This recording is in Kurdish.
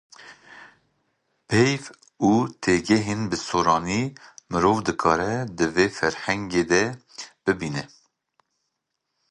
Peyv û têgihên bi soranî mirov dikare di vê ferhengê da bibîne.